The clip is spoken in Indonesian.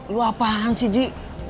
lo apaan sih ji